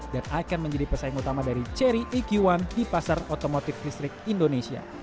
dan akan menjadi pesaing utama dari chery eq satu di pasar otomotif listrik indonesia